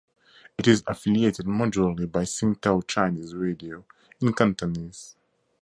It is affiliated, majorly, by Sing Tao Chinese Radio in Cantonese.